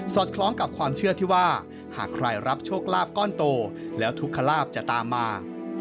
คล้องกับความเชื่อที่ว่าหากใครรับโชคลาภก้อนโตแล้วทุกขลาบจะตามมา